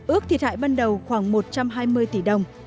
ước thiệt hại ban đầu khoảng một trăm hai mươi tỷ đồng